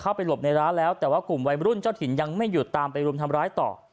หลบในร้านแล้วแต่ว่ากลุ่มวัยรุ่นเจ้าถิ่นยังไม่หยุดตามไปรุมทำร้ายต่อ